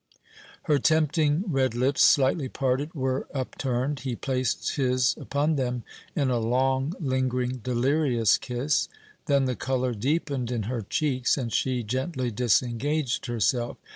Her tempting red lips, slightly parted, were upturned; he placed his upon them in a long, lingering, delirious kiss. Then the color deepened in her cheeks, and she gently disengaged herself.